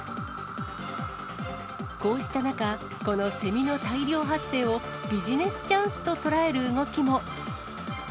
こうした中、このセミの大量発生をビジネスチャンスと捉える動きも。